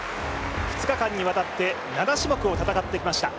２日間にわたって７種目を戦ってきました。